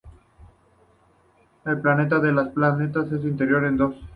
El planeta es el planeta más interior de dos.